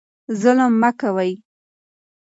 ظلم مه کوئ.